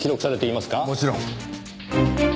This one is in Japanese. もちろん。